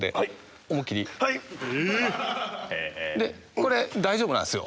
これ大丈夫なんですよ。